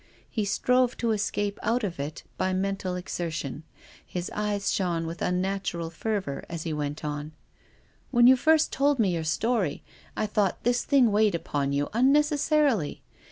He strove to escape out of it by mental exertion. His eyes shone with unnatural fervour as he went on :" When you first told me your story, I thought this thing weighed upon you unnecessarily.